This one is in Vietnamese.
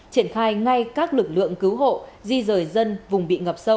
triển khai ngay các lực lượng cứu hộ di rời dân vùng bị ngập sâu